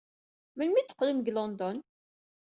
Melmi ay d-teqqlem seg London?